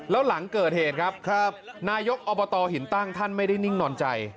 แล้วหลังเกิดเหตุครับนายกอบตหินตั้งท่านไม่ได้นิ่งนอนใจ